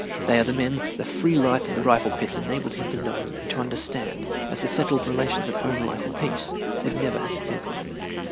They are the men the free life of the rifle pits enabled him to know and to understand as the settled relations of home life and peace would never have permitted.